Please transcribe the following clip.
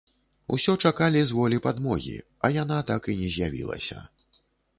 Усё чакалі з волі падмогі, а яна так і не з'явілася.